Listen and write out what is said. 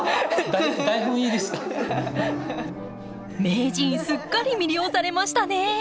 名人すっかり魅了されましたね。